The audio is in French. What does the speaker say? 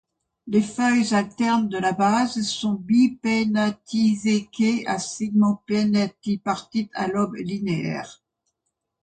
Les feuilles alternes de la base sont bipennatiséquées à segments pennatipartites à lobes linéaires.